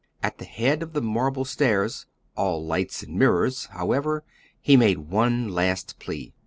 At the head of the marble stairs "all lights and mirrors," however, he made one last plea.